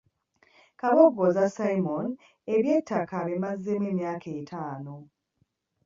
Kabogoza Simon eby'ettaka abimazeemu emyaka etaano.